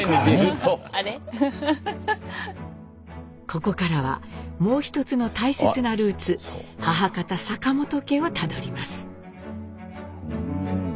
ここからはもう一つの大切なルーツ母方坂本家をたどります。